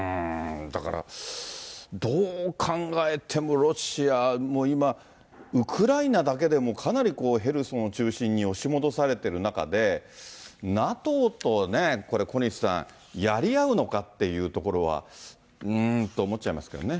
だからどう考えても、ロシアも今、ウクライナだけでも、かなりヘルソンを中心に押し戻されてる中で、ＮＡＴＯと、これ、小西さん、やり合うのかっていうところは、うーんと思っちゃいますけどね。